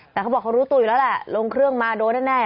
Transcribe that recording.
แต่เขาบอกเขารู้ตัวอยู่แล้วแหละลงเครื่องมาโดนแน่